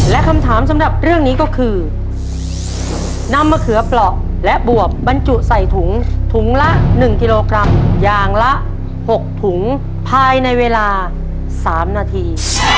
และคำถามสำหรับเรื่องนี้ก็คือนำมะเขือเปราะและบวบบรรจุใส่ถุงถุงละ๑กิโลกรัมอย่างละ๖ถุงภายในเวลา๓นาที